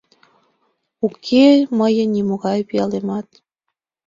Уке мыйын нимогай пиалемат.